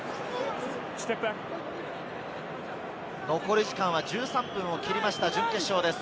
残り時間は１３分を切りました、準決勝です。